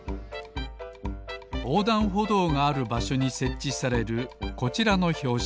おうだんほどうがあるばしょにせっちされるこちらのひょうしき。